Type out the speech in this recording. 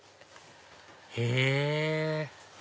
へぇ！